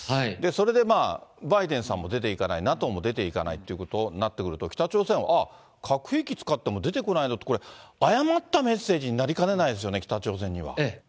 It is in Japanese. それでバイデンさんも出ていかない、ＮＡＴＯも出ていかないってことになってくると、北朝鮮は、ああ、核兵器使っても出てこないんだって、これ、誤ったメッセージになりかねないですよね、北朝鮮には。